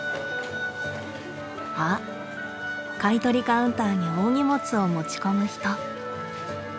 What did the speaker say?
あっ買い取りカウンターに大荷物を持ち込む人。